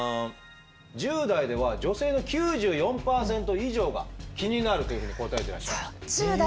１０代では女性の９４％以上が気になるというふうに答えてらっしゃいました。